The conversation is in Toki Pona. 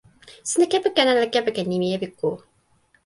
sina kepeken ala kepeken nimi "epiku"?